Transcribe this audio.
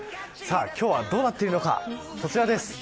今日はどうなってるかこちらです。